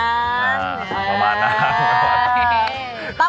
ประมาณนั้น